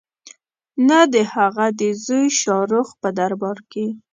نه د هغه د زوی شاه رخ په دربار کې.